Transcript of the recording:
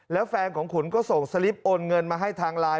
แล้วแฟนของขุนก็ส่งสลิปโอนเงินมาให้ทางไลน์